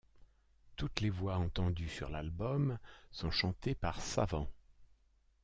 Toutes les voix entendues sur l'album sont chantées par Savant.